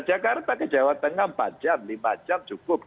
jakarta ke jawa tengah empat jam lima jam cukup